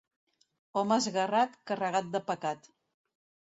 Home esguerrat, carregat de pecat.